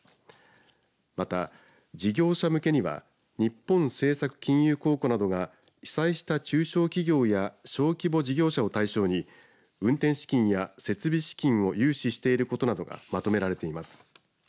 また事業者向けには日本政策金融公庫などが被災した中小企業や小規模事業者を対象に運転資金や設備資金を融資していることなどがまとめられています。